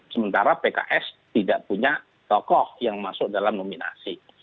sementara pks tidak punya tokoh yang masuk dalam nominasi